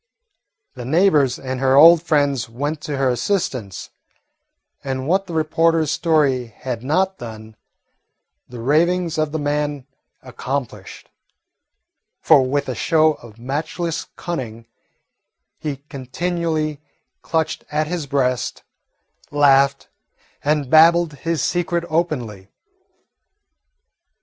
The neighbours and her old friends went to her assistance, and what the reporter's story had not done, the ravings of the man accomplished; for, with a show of matchless cunning, he continually clutched at his breast, laughed, and babbled his secret openly.